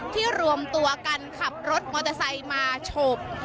รวมตัวกันขับรถมอเตอร์ไซค์มาฉก